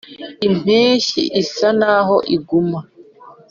impeshyi isa naho iguma